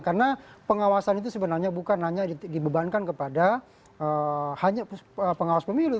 karena pengawasan itu sebenarnya bukan hanya dibebankan kepada hanya pengawas pemilu